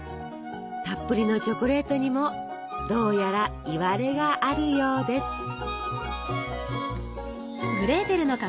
たっぷりのチョコレートにもどうやらいわれがあるようです。